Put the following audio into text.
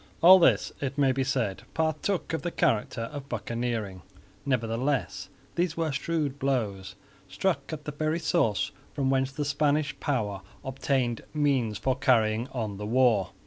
All this, it may be said, partook of the character of buccaneering, nevertheless these were shrewd blows struck at the very source from whence the Spanish power obtained means for carrying on the war.